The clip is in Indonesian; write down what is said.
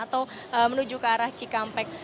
atau menuju ke arah cikampek